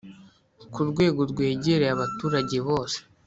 ku rwego rwegereye abaturage bose